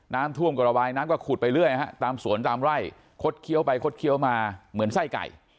น้ำท่วมกระวายน้ำก็ขุดไปเรื่อยฮะตามสวนตามไร่คดเคี้ยวไปคดเคี้ยวมาเหมือนไส้ไก่